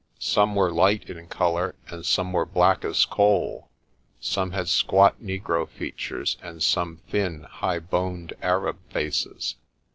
Some were light in colour and some were black as coal; some had squat negro features and some thin, high boned Arab faces.